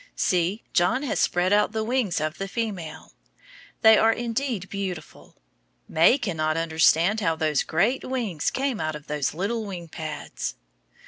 See! John has spread out the wings of the female. They are indeed beautiful. May cannot understand how those great wings came out of those little wing pads.